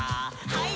はい。